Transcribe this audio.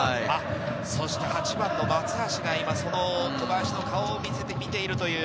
８番の松橋が今、小林の顔を見ているという。